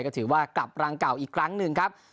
ก็ถือว่ากลับรังเก่าอีกครั้งหนึ่งครับ